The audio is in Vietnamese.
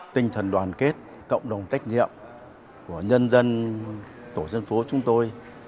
tinh thần đoàn kết cộng đồng trách nhiệm của nhân dân tổ dân phố chúng tôi